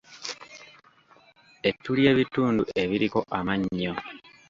Ettu ly'ebitundu ebiriko amannyo.